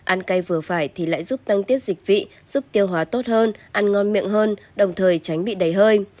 ăn cay vừa phải thì lại giúp tăng tiết dịch vị giúp tiêu hóa tốt hơn ăn ngon miệng hơn đồng thời tránh bị đẩy hơi